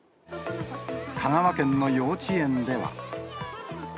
香川県の幼稚園では。